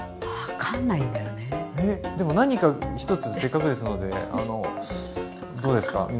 でも何か１つせっかくですのでどうですか？